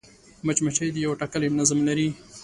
مچمچۍ یو ټاکلی نظم لري